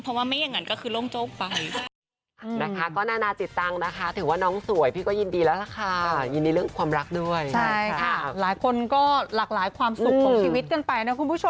เพราะว่าไม่อย่างนั้นก็คือโล่งโจ๊กไป